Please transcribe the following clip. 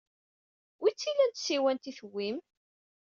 Wi tt-ilan tsiwant ay tewwim?